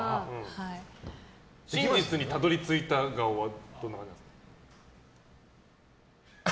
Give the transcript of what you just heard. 真実にたどり着いた顔はどんな感じですか。